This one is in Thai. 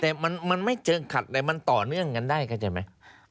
แต่มันไม่เชิงขัดอะไรมันต่อเนื่องกันได้เข้าใจไหม